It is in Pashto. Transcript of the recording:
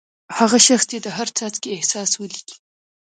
هغه شخص دې د هر څاڅکي احساس ولیکي.